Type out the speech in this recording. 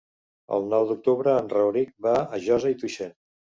El nou d'octubre en Rauric va a Josa i Tuixén.